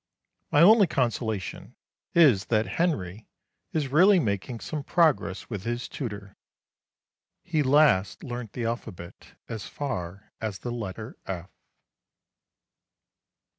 My only consolation is that Henry is really making some progress with his tutor. He last learnt the alphabet as far as the letter F.